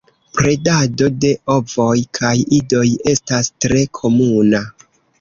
Predado de ovoj kaj idoj estas tre komuna.